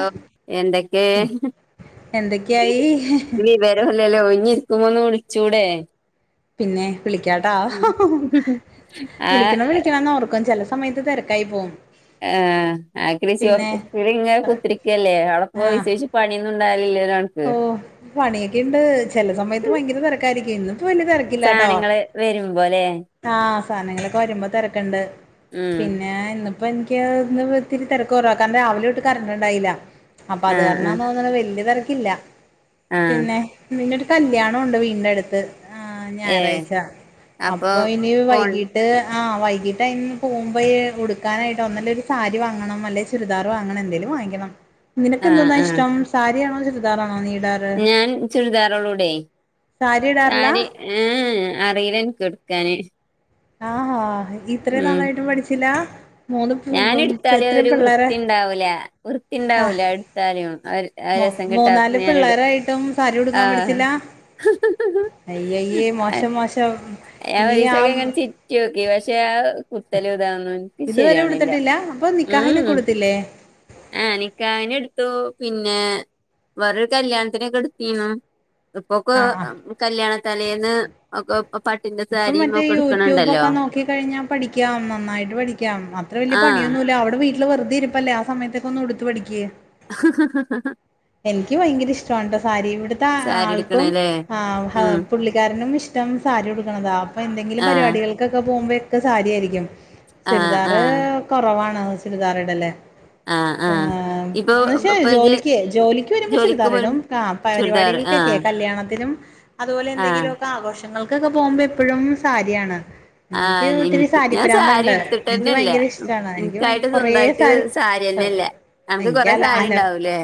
ആ എന്തൊക്കെ. എന്തൊക്കെയായി അല്ലല്ലേ അല്ലേ ഒഴിഞ്ഞിരിക്കുമ്പോന്ന് വിളിച്ചൂടെ,? പിന്നെ വിളിക്കാട്ടാ ആ വിളിക്കണം വിളിക്കണന്ന് ഓർക്കും ചില സമയത്ത് താരക്കായിപോവും. ആ ഷോപ്പിലിഇങ്ങെ കുത്തിരിക്കല്ലേ അവിടെ പോ ആഹ് വിശേഷ പണിയൊന്നും ഉണ്ടാവലില്ലേ ഒരാൾക്ക്. ഓ പണിയൊക്കെ ഇണ്ട് ചെല സമയത്ത് ഭയങ്കര തിരക്കായിരിക്കായിരിക്കും ഇ സാധനങ്ങൾ വരുമ്പോലെ. ആഹ സാധനങ്ങളൊക്കെ വരുമ്പോ തിരക്കുണ്ട് ഉം പിന്നെ ഇ അപ്പൊ എനിക്ക് ഒന്ന് ഒത്തിരി തിരക്ക കൊറവാ കാരണം രാവിലോട്ട് കറഡ് ണ്ടായില്ല. അപ്പൊ അത് ആഹ് ആഹ് കാരണംന്ന്ോന്ന വല്യയ തെരക്കില്ല ആഹ് പിന്നെ. പിന്നൊരു കല്യാണം ഉണ്ട് വീടിന്റെ അടുത്ത്. ആഹ് ഏ ഞാറാഴ്ച അപ്പൊ ഇനി ഫോൺ വൈകി വൈകീട്ട് അതിന്ന് പോകുമ്പോ ഉടുക്കാനായിട്ട് ഒന്നല്ല ഒരു സാരി വാങ്ങണം അല്ലെ ചുരിദാർ വാങ്ങിക്കണം എന്തെലും വാങ്ങിക്കണം നിനക്ക്ക്ക ആഹ് എന്തോന്നാ ആഹ് ഇഷ്ടം സാരിയാണോ ചുരിദാണോ നീ ഇടുന്നത് ഞാൻ ചുരിദാറോളൂടെ സാരി ഈഏഅറിയില്ല ഇന്ക്ക് കൊടുക്കാന്. ആഹാ ഇത്രയും നാളയിട്ടും പഠിച്ചില്ല. മൂന്ന് പ് ഞാന പ് എടുത്താലും ഒരു എത്രയും ഒരു പിള്ളേരെ വൃത്തിയ ഉണ്ടാവൂല വൃത്തി ഉണ്ടാവൂല ഇടുത്താലും മൊ മൂന്നാല് പിള്ളേരായിട്ടും സാരി ഉടുക്കാൻ ആഹ് പടിച്ചില്ല അയ്യയ്യേ മോശം മോശം ഇനി എഹ് ആ [unintelligible] ചിരിക്കും [unintelligible] പക്ഷെ കുത്തലും ഇതൊന്നും ഇതുവരെ ഉടുത്തിട്ടില്ല അപ്പൊ നിക്കാഹിനോക്കെ ഉടുത്തില്ലേ ആഹ് നിക്കാഹിന് എടുത്തു പിന്നെ വേറെരു കല്യാണത്തിനൊക്കെട്ത്തീനു ഇപ്പൊക്കോ ആഹ് ആഹ് കല്യാണ തലേന്ന് ഒക്കെ പട്ടിന്റെ ഇപ്പൊ സാരിയും മറ്റേ ഒക്കെ എടുക്കണുണ്ടല്ലോ യൂട്യൂബൊക്കെ നോക്കി കഴിഞ്ഞാൽ പഠിക്കാം നന്നായിട്ട് പഠിക്കാം അത്ര വല്യ ആ പണിയൊന്നും ല്ല അവ്ടെ വീട്ടില് വെരുതേ ഇരിപ്പല്ലേ ആ സമയതൊക്കൊന്ന് ഉടുത്ത് പഠിക്ക് [unintelligible] എനിക്ക് ഭയങ്കര ഇഷ്ടാണ് ട്ടോ സാരി ഇടുത്ത സാരി ആൾക്കും എടുക്കണല്ലേ ആഹ് ആഹ് ഉം പുള്ളിക്കാരനും ഇഷ്ടം സാരി ഉടുക്കണതാ അപ്പൊ എന്തെങ്കിലും ആ പരിപാടികൾ ക്കൊക്കെ പോകുമ്പോ ഒക്കെ സാരിയായിരിക്കും ആഹ് ചുരിദാർ ആഹ് കൊറവാണ് ചുരിദാർ ഇടല് ആഹ് ഇപ്പൊ എന്നച്ചേ ഇപ്പൊ ജ് ജോലിക്ക് ജോലിക്ക് വരുമ്പോ ജോലിക്ക് പോലും ചുരിദാറിടും ആഹ് ചുരിദാർ പരിപാടികൾക്കൊക്കെ ആഹ് കല്യാണത്തിനും അതുപോലെ ആഹ് എന്തെങ്കിലൊക്കെ ആഘോഷങ്ങൾക്കൊക്കെ പോകുമ്പോ എപ്പോഴും സാരിയാണ് എനിക്ക് ആഹ് ഒത്തിരി എനിക്ക് സാരി ഞാൻ ഭ്രാന്ത് ണ്ട് എനിക്ക് എടുത്തിട്ടന്നെല്ല ഭയങ്കര ഇഷ്ടാണ് എനിക്കായിട്ട് എനിക്ക് കൊറെ സ്വന്തായിട്ട് സാരി സാരിയന്നെല്ല അനക്ക് കൊറെ സാരി [unintelligible] ഉണ്ടാവൂലേ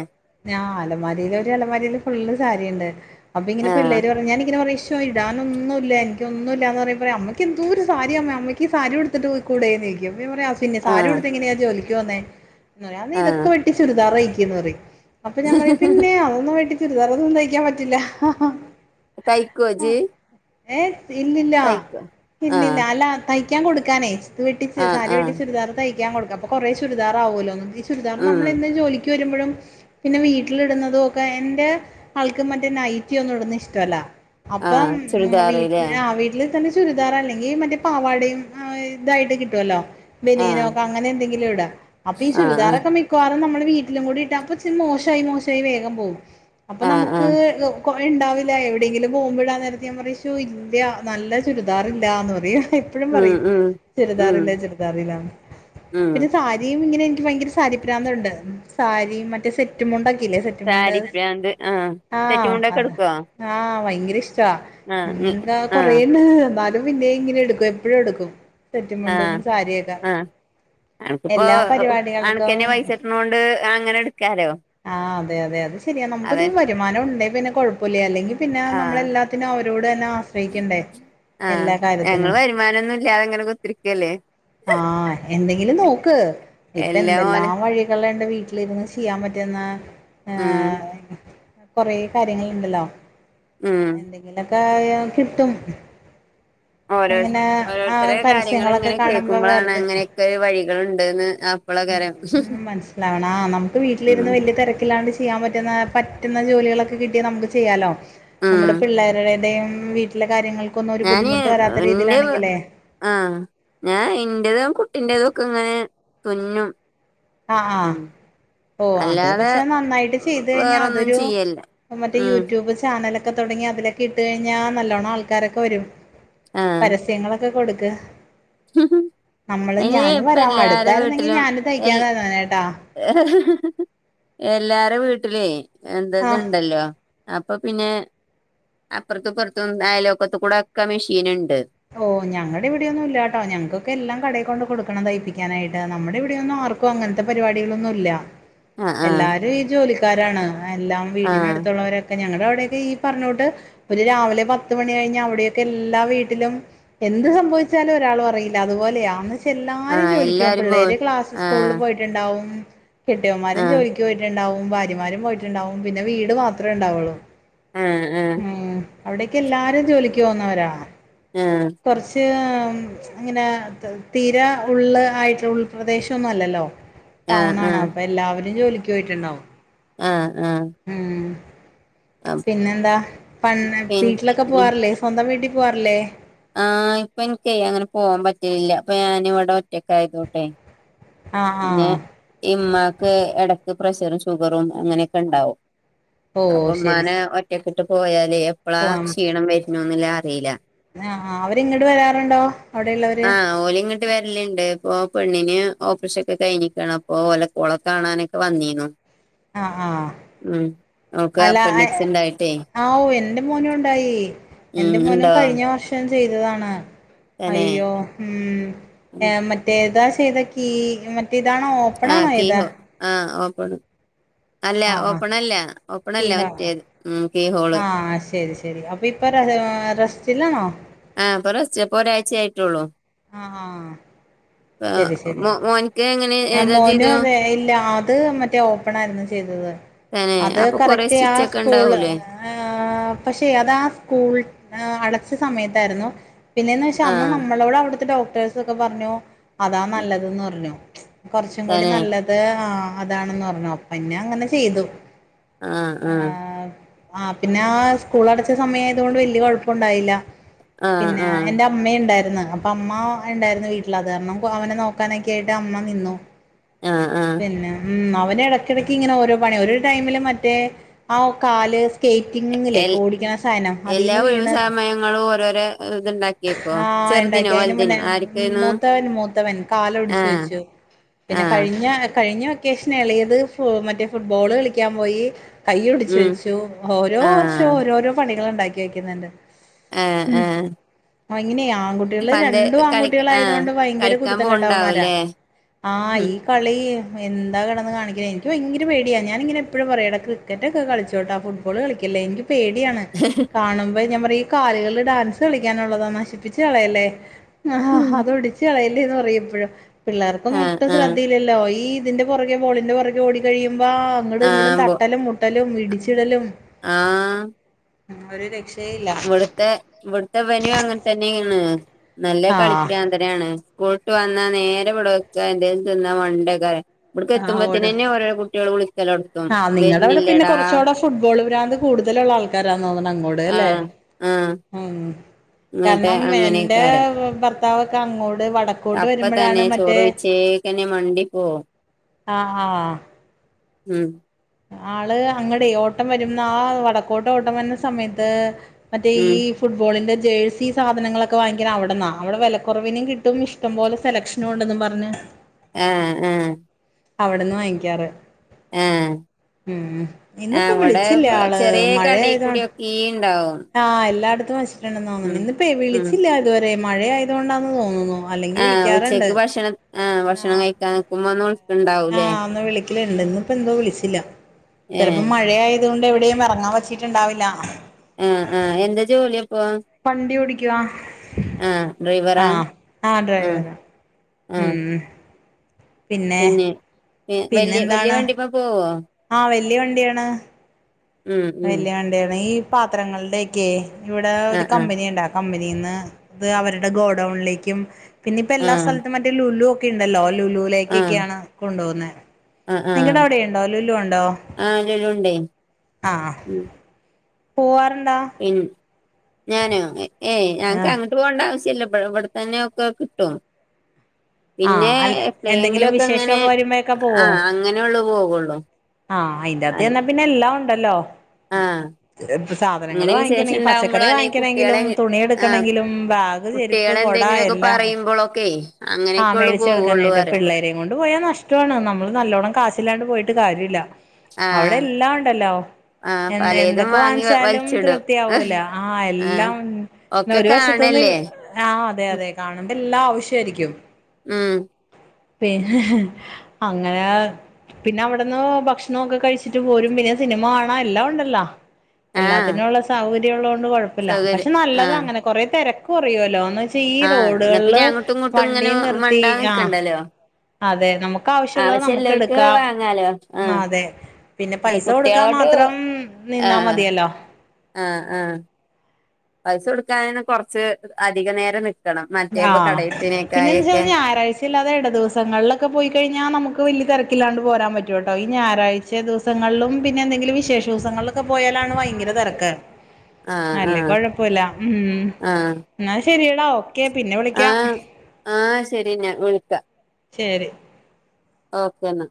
ആഹ് അലമാരിയില് ഒരലമാരിയില് ഫുള്ള് സാരിണ്ട് അപ്പൊ ഇങ്ങനെ ആഹ് പിള്ളേര് പറഞ് ഞാൻ ഇങ്ങനെ പറഞ് ഇഷ് ഇടാനൊന്നുല്ല എനിക്കൊന്നുല്ല ന്ന് പറയുമ്പോ പറിം അമ്മയ്ക്ക്ന്തോരു സാരിയമ്മ അമ്മക്ക് സാരിടുത്തിട്ട് വൃ കൂടെ തൈക്കും അപ്പൊ ഞാൻ പ പിന്നെ സാരി ആഹ് ഉടുതെങ്ങനയാ ജോലിക്ക് പോകുന്നേ ന്നാ ഇതൊക്കെ ആഹ് ഇതൊക്കെ വെട്ടി ചുരിദാറയിക്ക എന്ന് പറയും അപ്പൊ ഞാൻ പറയും പിന്നെ അതൊന്നും വെട്ടി ചുരിദാറന്നും തയ്ക്കാൻ പറ്റില്ല തൈക്കോ ജ് ഏയ് ഇല്ലില്ല തയ്ക്കോ ആഹ് ഇല്ലില്ല അല്ല തയ്ക്കാൻ കൊടുക്കാനേ ഇത് വെട്ടിച് ആഹ് സാരി ആഹ് വെട്ടി ചുരിദാർ തൈക്കാ കൊടുക്ക അപ്പ കൊറെ ചുരിദാറാവോലൊന്ന് ഈ ചുരിദാർ ഉം നമ്മളെന്നും ജോലി ക്ക് വരുമ്പോഴും പിന്നെ വീട്ടിലിടുന്നതൊക്കെ എന്റെ ആൾക്ക് മറ്റേ നൈറ്റി ഒന്നും ഇടുന്ന ഇഷ്ടല്ല അപ്പം ആഹ് ചുരിദാറ്ല്ലേ വീട്ടില് ആ വീട്ടില് നല്ല ചുരിദാർ അല്ലെങ്കി മറ്റേ പാവാടയും ഇതായിട്ട് കിട്ടോല്ലോ ആഹ് ബെനീനോക്ക അങ്ങനെ എന്തെങ്കിലും ഇട അപ്പ ഈ ആഹ് ആഹ് ചുരിദാറൊക്കെ മിക്കവാറും നമ്മൾ വീട്ടിലും കൂടെ ഇട്ടാ അപ്പൊ ചു ഇത് മോശായി മോശായി വേഗം പോവും അപ്പൊ ആഹ് നമക്ക് ആഹ് കൊറേ ഉണ്ടാവില്ല എവിടെയെങ്കിലും പോകുമ്പടാ നേരത്ത് ഞാൻ പറിം ശോ ഇല്ല നല്ല ചുരിദാറില്ലാന്ന് പറയും എപ്പയും ഉം പറയും ഉം ഉം ചുരിദാറില്ല ചുരിദാറില്ലാന്ന് ഉം പിന്നെ സാരിയും ഇങ്ങനെ എനിക്ക് ഭയങ്കര ഇഷ് സാരി ഭ്രാന്തുണ്ട് സാരി മറ്റേ സെറ്റു മുണ്ടക്കില്ലേ സെറ്റ് സെറ്റുമുണ്ട് സാരിപ്രാന്ത് ആഹ് ആ സെറ്റ് മുണ്ടൊക്കെ അത് എടുക്കോ ആ ഭയങ്കര ഇഷ്ടാ ആഹ് ഇ ഉം താ ആഹ് കൊറേണ്ട് എന്നാലും പിന്നെ ഇങ്ങനെ എടുക്കും എപ്പഴും എടുക്കും സെറ്റുമുണ്ടും ആഹ് സാരിയൊക്കെ ആഹ് എല്ലാ പരിപാടികൾക്കും ണ്ട് അങ്ങനെ എടുക്കാലോ ആഹ് അതെ അതെ അത് ശരിയ നമുക്കൊരു അതെ വരുമാനം ഉണ്ടേ പിന്നെ കൊഴപ്പുല്ല അല്ലെങ്കി പിന്നെ ആഹ് നമ്മളെല്ലാ പിന്നെ അവരോടന്നെ ആശ്രയിക്കണ്ടേ ആഹ് എല്ലാ ഞങ്ങൾ കാര്യത്തിനും വരുമാനൊന്നും ഇല്ലാതെങ്ങനെ കുത്തിരിക്കല്ലേ ആഹ് എന്തെങ്കിലും നോക്ക് ഇപ്പ എല്ലാം ഓലെ എന്തെല്ലാം വഴികളുണ്ട് വീ ഇരുന്ന് ചെയ്യാ പറ്റന്ന ഉം.. കൊറെ കാര്യങ്ങള്ണ്ടല്ലോ ഉമ് ഇങ്ങനെക്കായ കിട്ടും ഓരോ അങ്ങനെ ആഹ് ഓരോത്തരെ കാര്യങ്ങൾ പരസ്യങ്ങളൊക്കെ ഇങ്ങനെ കാണുമ്പോ കേൾക്കുമ്പളാണ് വെറുതെ അങ്ങനെക്കെരു വഴികളുണ്ട്ന്ന് ആ മനസ്സിലാവണ ആ നമുക്ക് വീട്ടിലിരിന്ന് ഉം വല്യ തെരക്കില്ലാണ്ട് ചെ ചെയ്യാൻ പറ്റുന്ന പറ്റുന്ന ജോലികളൊക്കെ കിട്ടിയ നമുക്ക് ചെയ്യാലോ ഉം നമ്മുടെ പിള്ളേരുടെദും വീട്ടി കാര്യങ്ങക്കന്നും ഒരു ബുദ്ധിമുട്ട് വരാത്ത രീതിയിലാണെങ്കിലേ ആഹ ഞാൻ എൻ്റെതും കുട്ടിൻ്റെതും ഒക്കെ ഇങ്ങനെ തുന്നും. ആഹാ ഉം ഓ അത് അല്ലാതെ പക്ഷെ നന്നായിട്ട് ചെയ്തഴിഞ്ഞാ വേറൊന്നും അതൊരു ചെയ്യല്ല മറ്റേ ഉം യൂട്യൂബ് ചാനലൊക്കെ. ക്കെ തൊടങ്ങി അതിലൊക്കെട്ട് കഴിഞ്ഞാ നല്ലോണം ആൾക്കാരൊക്കെ വരും... ആഹ് പരസ്യങ്ങളൊ ക്കെ കൊട്ക്ക്. നമ്മള് അയിന് ഞാന് ഇപ്പ വരാ എല്ലാരെ അടുത്തായിരുന്നെങ്കിൽ ഞാനും [unintelligible] [unintelligible] ട്ടാ [unintelligible] എല്ലാര വീട്ടിലേ ആ എന്തത്ണ്ടല്ലോ അപ്പപിന്നെ അപ്പുറത്തുപ്പുറത്തും അയലോക്കത്തുക്കൂടക്കെ മെഷീന്ണ്ട്.. ഓ ഞങ്ങടെവിടെയൊന്നും ഇല്ലാട്ടോ. ഞങ്ങ്ക്കൊക്ക എല്ലാം കടയി കൊണ്ട് കൊടുക്കണം തയ്പ്പിക്കാനായിട്ട് നമ്മുടെവിടെയൊന്നും ആർക്കും.. ക്കുവങ്ങനത്തെ പരിപാടികളൊന്നുല്ല.. ആഹ് ആഹ് എല്ലാരും ഈ ജോലിക്കാരാണ്. എല്ലാം ആഹ് വീടിനടുത്തുള്ളവരൊക്കെ.. ക്കെ. ഞങ്ങടവിടെയൊക്കെയീ പറഞ്ഞൂട്ട് ഒരു രാവിലെ പത്ത് മണി കഴിഞാ അവിടെയൊക്കെ എല്ലാ വീട്ടിലും.. എന്ത് സംഭവിച്ചാലു ഒരാളു അറിയില്ല അതുപോലെയാ.. എല്ലാരും ആഹ് ജോലിക്കോം. എല്ലാരും പോ പിള്ളേര് ക്ലാസി സ്കൂളില് ആഹ് പോയിട്ടുണ്ടാവും.. കെട്ടിയോന്മാരും ആഹ് ജോലിക്ക് പോയിട്ടുണ്ടാവും ഭാര്യമാരും പോയിട്ടുണ്ടാവും പിന്നെ വീട് മാത്രേണ്ടാവുള്ളൂ.. ആഹ് ആഹ് അവിടെക്കെല്ലാരും ജോലിക്ക് പോന്നവരാ.. ആഹ് കൊറച്ച്.... അങ്ങനെ തീര ഉള്ള് ആയിട്ട് ഉൾപ്രദേശൊന്നുവല്ലല്ലോ.. ആഹ് ടൗണാണ് ആഹ് അപ്പെല്ലാവരും ജോലിക്ക് പോയിട്ടുണ്ടാവും.. ആഹ് ആഹ്... ഉം അഹ് പിന്നെന്താ പണ് വീട്ടിലൊക്കെ പിന്നെ പോവാറില്ലേ.. സ്വന്തം വീട്ടി പോവാറില്ലേ.. ആഹ് ഇപ്പൊനിക്കേ അങ്ങനെ പോവാൻ പറ്റിണില്ലപ്പൊ ഞാനിവിടെ ഒറ്റക്കായതോണ്ടെ.. ആഹ് പിന്നെ ആഹ് ഇമ്മാക്ക് എടക്ക് പ്രഷറും ഷുഗറും അങ്ങനെക്കെണ്ടാവും... ഓ ശരി അപ്പമ്മാനെ ശരി ഒറ്റക്കിട്ട് പോയാലെ എപ്പളാ ക്ഷീണം വരുന്നുന്ന്ലെ അറീല്ല ആഹാ അവരിങ്ങട് വരാറൊണ്ടോ അവിടെയ്ള്ളവര്.. [unintelligible] ട്ട് വെരല്ണ്ട് ഇപ്പോ പെണ്ണിന് ഓപ്പ്റേഷൻ.. കഴഞ്ഞിക്കാണ് അപ്പൊ ഓലെ ഓള കാണാനെക്കെ വന്നീന്നു ആഹ് ആഹ് ഉം ഓൾക്ക് അല്ല അപ്പൻഡിക്സ് ഉണ്ടായിട്ടേ ആ ഓ എന്റെ മോനുണ്ടായി.. ഉം എന്റെ മോനും ഉണ്ടോ കഴിഞ്ഞ വർഷം.. ചെയ്തതാണ് തന്നെ അയ്യോ ഉം.. ഉം റ്റേതാ ചെയ്തൊ കീ മറ്റേ ഇതാണോ.. ആ കീഹോ ആഹ് ഓപ് അല്ല ആ ആ ഓപ്പണല്ല ഓപ്പല്ല മറ്റേത്.. ഉം [unintelligible] ആഹ് ശരി ശരി അപ്പൊ ഇപ്പൊ റ റ് റെസ്റ്റിലാണോ... ആ പ്പറസ്റ്റാ പ്പൊരായ്ചയായിട്ടുള്ളൂ... ആഹ് ആഹ്.. ശരി ശരി. മോ മോൻക്ക് എങ്ങനെ ആ ഏതാ ചെയ്തു മോനുവതേ ഇല്ല അത് മറ്റേ ഓപ്പണായിരുന്നു ചെയ്തത്.. തന്നെ അത് അപ്പൊ കൊറേ കറക്റ്റ് ആ സ്റ്റിച്ച് ഒക്കെ സ്കൂള് ഉണ്ടാവൂലേ ആഹ് പക്ഷെ അതാ സ്കൂൾ ആ അടച്ച സമയത്താരുന്നു.. പിന്നെന്നാച്ചാ അന്ന് ആഹ് നമ്മളോടവിടുത്തെ ഡോക്ടേഴസക്കെ പറഞ്ഞൂ അതാ നല്ലത് ന് പറഞ്ഞു.. കൊറച്ചും കൂടി തന്നെ നല്ലത് ആ അതാണെന്ന് പറഞ്ഞുപ്പന്നെ അങ്ങനെ ചെയ്തു... ആഹ്... ആഹ്. ആ പിന്നെ ആ സ്കൂൾ അടച്ച സമയായതൊണ്ട് വല്യ കൊഴപ്പണ്ടായില്ല ആഹ് പിന്നെ ആഹ് എന്റ.. അമ്മ ഇണ്ടായിര്ന്ന് അപ്പ അമ്മ ഉണ്ടായിരുന്നു വീട്ടില് അത് കാരണം അവനെ നോക്കാനെക്കെയായിട്ട് അമ്മ നിന്നു... ആഹ് ആഹ് പിന്നെ ഉം അവനെടക്കെടക്ക് ഇങ്ങനെ ഓരോ പണി ഒരു ടൈമില് മറ്റേ ആ കാല് സ്കേറ്റിങ്ങ്ല്ലേ എൽ ഓടിക്കണ സാധനം എല്ലാ അതീന്നു ഒഴിവ് വീണ് സമയങ്ങളും ഓരോരോ ഇത്ണ്ടാക്കിയേക്കോ ആഹ ചെറുതിനോ ഉണ്ടാക്കി അയിന് വലുതിനോ മുന്നെ ആര്ക്കേന്നു മൂത്തവൻ മൂത്തവൻ കാല് ഒടിച്ചു ആഹ് വെച്ചു പിന്നെ ആഹ് കഴിഞ്ഞ കഴിഞ്ഞ വെ ക്കേഷൻ എളേത് മറ്റേ ഫുട്ബോള് കളിക്കാൻ പോയി ഉം കൈയൊടിച്ചുവെച്ചു ഓരോ വർഷവും ആഹ് ഓരോരോ പണികൾ ഉണ്ടാക്കി വെക്കുന്നുണ്ട് ആഹ ആഹ ഇങ്ങനെയ ആൺകുട്ടികള് രണ്ടും കളി ആൺകുട്ടികൾ ആയത് ആഹ് കൊൊണ്ട് ഭയങ്കര കളിക്കാൻ കുരുത്തം കെട്ടവന്മാരാ പോവ്ണ്ടാവുംല്ലേ ആഹ് ഈ കളി എന്താ കിടന്ന് കാണിക്ക എനിക്ക് ഭയങ്കര പേടിയ ഞാൻ ഇങ്ങനെ എപ്പോഴും പറയും ക്രിക്കറ്റ് ഒക്കെ കളിച്ചോട്ടാ ഫുട്ബോൾ കളിക്കല്ലേ എനിക്ക് പേടിയാണ് കാണുമ്പോൾ ഞാൻ പറയും കാലുകള് ഡാൻസ് കളിക്കാനുള്ളതാ നശിപ്പിച്ചു കളയല്ലേ ആ ഉം അതൊടിച്ചു ഒടിച്ചു കളയല്ലെന്നു പറയുമെപ്പഴും പിള്ളേർക്കും ആഹ് ഒട്ടും ശ്രദ്ധ ആഹ് ല്ലല്ലോ ഈ ഇതിന്റെ പുറകെ ബോളിന്റെ പുറകെ ഓടി കഴിയുമ്പോ അങ്ങട് ഇങ്ങടും ആഹ് പോ തട്ടലും മുട്ടലും ട്ടലും ഇടിച്ചിടലും ആഹ് ഒരു രക്ഷ ഇവിടുത്തെ ഇവിടുത്തെ വനും അങ്ങനെ തന്നെയാണ് നല്ല ആഹ് കളിക്കാൻ െയാണ് സ്കൂളട്ട് വന്നാ നേരെ വവിടെക്ക എന്തേും തിന്നാ [unintelligible] ഇവിടുക്ക ആഹ് എത്തുമ്പോതിനെന്നെ ഓട് തന്നെ ഓരോ കുട്ടികൾ വിളിക്കലോഡ്ത്തും ആഹ് നിങ്ങടെ അവിടെ പിന്നെ വരുന്നില്ലേടാ കുറച്ചുകൂടെ ഫുട്ബോൾ ഭ്രാന്ത് കൂടുതലുള്ള ആൾക്കാരാ തോന്നുണ് അങ്ങോട് അല്ലേ ആഹ് ആഹ് ഉം ഇങ്ങട്ട് കാരണം എൻറെ അങ്ങനെക്കാരം ഭർത്താവൊക്കെ അങ്ങോട്ട് വടക്കോട്ട് അപ്പ തന്നെ വരുമ്പോഴാണ് മറ്റേ ചോറ് [unintelligible] ആഹ ആഹ ഉം ആള് അങ്ങടെ ഓട്ടം വരുന്ന ആ വടക്കോട്ട ഓട്ടം വരുന്ന സമയത്ത് മറ്റേ ഉം ഈ ഫുട്ബോളിൻ് ജേഴ്സി സാധങ്ങളൊക്കെ വാങ്ങിക്കല് അവിടെന്നാണ് അവിടെ വിലക്കുറവിനും കിട്ടും ഇഷ്ടംോലെ സെലക്ഷൻ ഇന്നോൊണ്ടെന്നും പറഞ്ഞഞ് ആഹ ആഹ അവിടന്ന് വാങ്ങിക്കാറ് ആഹ് ഉം ആഹ് ഇന്നിപ്പോൊ ഇവിടെ വിളിച്ചില്ല ആള് ചെറിയ കടയി മഴയായതാണ് [unintelligible] ആഹ് എല്ലായിടത്തും വച്ചിട്ടുണ്ടെന്ന് തോന്നുന്നു ഉം ഇന്നിപ്പൊ ഉം വിളിച്ചില്ല ഇതുവരെ മഴയായതുകൊണ്ടാന്ന് തോന്നുന്നുോ ആ് ഉച്ചക്ക് ഭക്ഷണം ആഹ ഭക്ഷണം ആഹ് കഴിക്കാൻ നിക്കുമ്പോ ഒ ആഹ് ഒന്ന് വിളിക്കല ഇണ്ട് ഇന്ന് ഇപ്പോ എന്തോ വിളിച്ചില്ല ചിലപ്പോ ഏഹ് മഴയ അതുകൊണ്ട് എവിടെയും എറങ്ങാൻ വച്ചിട്ടുണ്ടാവില്ല ഉം ഉം എന്താ ജോലിയപ്പോ വണ്ടി ഒടിക്കവാ ഡ്രൈവറാ ആഹ ആ ആഹ് ഡ്രൈവരാ ആഹ് ഉം പിന്നെ വല്യ വല്യ വണ്ടിമ്മ പോവോ ആഹ വല്യ വണ്ടിയാണ് ഉം ഉം വല്യ വണ്ടി യാണ് ഈ പാത്രങ്ങളുടെയക്കെ ഇവിടെ ഒരു ആഹ് ആഹ് കമ്പനി ഉണ്ടാർന്ന് കമ്പനിന്ന് അവരുടെ ഗോഡൗണിലേക്കും പിന്നെപ്പോ എല്ലാ ആഹ് സ്ഥലത്തും മറ്റേ ലുലു [unintelligible] ഉണ്ടല്ലോ ആഹ് ലുലുലേക്കൊക്കെയാണ് കൊണ്ടു പോോകുന്നത്െ ആഹ് നിങ്ങളടെ ആഹ് അവിടെുണ്ടോ ലുലു ഉണ്ടോ ആഹ് ലുലുണ്ടേ ആ ഉം പോവാറുണ്ടാ പി ഞാനോ ഏയ്് ഞങ്ങക്ക് ആഹ് അങ്ങട്ട് പോകേണ്ട ആവസ്യല്യ ഇപ്പൊ തന്നെയൊക്കെ കിട്ടും ആ പിന്നെ അല്ല എന്തെങ്കിലും എപ്പളെങ്കിലൊക്കെ ഇങ്ങനെ വിശേഷമൊക്കെ വരുമ്പോഴൊക്കെ പോവോ ആഹ് അങ്ങനെള്ളു പോവുള്ളു ആഹ് അയിന്റെറ അത്ത്ന്നാ പിന്നെ എല്ലാം ഉണ്ടല്ലോ ആഹ സാധനങ്ങൾ വാങ്ങിക്കണെങ്കിൽ പച്ചക്കറി അല്ലെങ്കിൽ വാങ്ങിക്കണമെങ്കിലും തുണി എടുക്കണെങ്കിലും ചെരുപ്പ് കുട്ടികളെ കുട എന്തെങ്കിലുമൊക്കെ പറയുമ്പോളൊക്കെ അങ്ങനെ മേടിച്ചച്ച്െടുക്കാനായിട്ട് പിള്ളേരെയും കൊണ്ട് പോയാ നഷ്ടമാണ് നമ്മള് നല്ലോണം കാശില്ലാണ്ട് പോയിട്ട് കാര്യമില്ല അവിടെ ആഹ് എല്ലാം ഉണ്ടല്ലോ ആ പലേതും എന്തൊക്കെ വാങ്ങി വാങ്ങിച്ചാലും വലിച്ചിടും തൃപ്തിയാവൂല ആ എല്ലാം ഒക്കെ ഒരു വശത്തുനിന്ന് കാണല്ലേ ആ് അതെ അതെ കാണുമ്പ എല്ലാം ആവശ്യയിരിക്കും ഉം പിന്നെ അങ്ങനെ പിന്നെ അവിടന്ന് ഭക്ഷണൊക്കെ കഴിച്ചിട്ട് പോരും പിന്നെ സിനിമ കാണാ എല്ലാം ഉണ്ടല്ലോ ആ എല്ലാത്തിനുംുള്ളള്ള സൗകര്യം ഉള്ളത കൊണ്ട് കൊഴപ്പില്ല പക്ഷെ സൗകര്യം ആ നല്ലതാ അങ്ങനെ കൊറേ തിരക്ക് കുറയുല്ലോന്ന് ഈ ആ എന്നാ പിന്നെ റോഡുകളില് അങ്ങോട്ടും ഇങ്ങോട്ടും വണ്ടി ഇങ്ങനെ നിർത്തി മണ്ടാതെ ആ നിക്കണ്ടല്ലോ അതെ നമുക്ക് ആവശ്യംമുള്ളത് നമുക്ക് ആവശ്യല്ലോൽക്ക് എടുക്കാം വാങ്ങാലോ ആ അതെ പിന്നെ പക്ഷെ പൈസ കൊടുക്കാ കുട്ടികളോട് മാത്രം ആ നിന്നാ മതിയല്ലോ ആ ആ പൈസ കൊടുക്കാൻ കൊറച്ച് അധിക നേരം നിക്കണം മറ്റേപ്പ കടയിട്ടിനേക്കായ ഒക്കെ ല്ലാതെ ഇട ദിവസങ്ങളിലൊക്കെ പോയി കഴിഞ്ഞാൽ നമുക്ക് വലിയ തിരക്കില്ലാണ്ട് പോരാൻ പറ്റും കേട്ടോ ഈ ഞായറാഴ്ച ച്ച ദിവസങ്ങളിലും പിന്നെ എന്തെങ്കിലും വിശേഷ ദിവസങ്ങളിലൊക്കെ പോയാലാണ് ഭയങ്കര തിരക്ക് ആ ആ അല്ല കൊഴപ്പില്ല ഉം ആ എന്ന ശെരിയടാ ഓക്കേ പിന്നെ വിളിക്കാം ആഹ ശരി ഞാൻ വിളിക്കാം ശരി ഓക്കെന്നാ